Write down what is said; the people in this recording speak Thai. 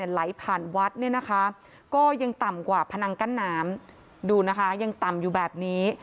ไหลผ่านวัดเนี่ยนะคะก็ยังต่ำกว่าพนังกั้นน้ำดูนะคะยังต่ำอยู่แบบนี้